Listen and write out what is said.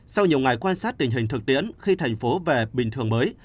sau nhiều ngày quan sát tình hình thực tiễn khi thành phố về bình thường mới